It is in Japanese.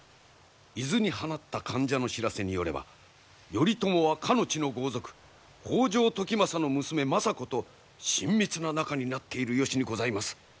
伊豆に放った間者の知らせによれば頼朝はかの地の豪族北条時政の娘政子と親密な仲になっている由にございます。